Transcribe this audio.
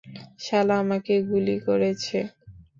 শালা আমাকে গুলি করেছে।